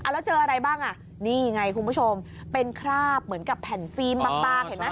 แล้วเจออะไรบ้างนี่ไงคุณผู้ชมเป็นคราบเหมือนกับแผ่นฟีมบาง